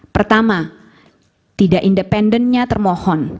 pertama tidak independennya termohon